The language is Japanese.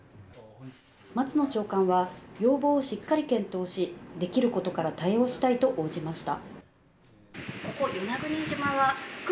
松野長官は、要望をしっかり検討し、できることから対応したいと応じました。